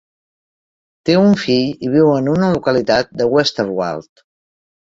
Té un fill i viu en una localitat de Westerwald.